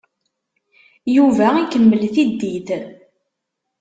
Yuba ikemmel tiddit.